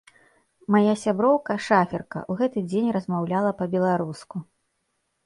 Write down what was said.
Мая сяброўка, шаферка, у гэты дзень размаўляла па-беларуску.